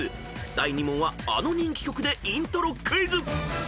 ［第２問はあの人気曲でイントロクイズ］